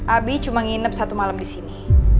abi cuma nginep satu malam disini